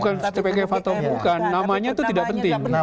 tgpf atau bukan namanya itu tidak penting